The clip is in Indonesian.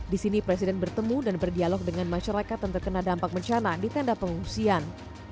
di sini presiden bertemu dan berdialog dengan masyarakat yang terkena dampak bencana di tenda pengungsian